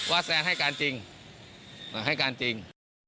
แซนให้การจริงให้การจริง